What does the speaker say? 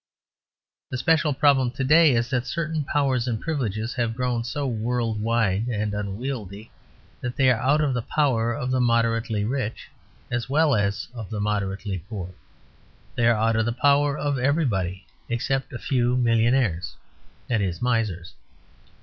The special problem to day is that certain powers and privileges have grown so world wide and unwieldy that they are out of the power of the moderately rich as well as of the moderately poor. They are out of the power of everybody except a few millionaires that is, misers.